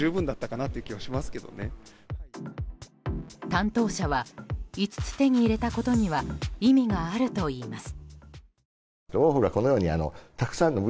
担当者は５つ手に入れたことには意味があるといいます。